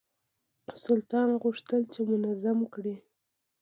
سلطان غوښتل چې منظوم کړي.